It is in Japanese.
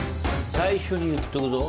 最初に言っとくぞ。